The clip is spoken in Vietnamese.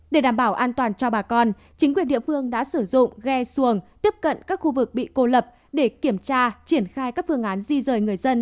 để đảm bảo an toàn cho bà con chính quyền địa phương đã sử dụng ghe xuồng tiếp cận các khu vực bị cô lập để kiểm tra triển khai các phương án di rời người dân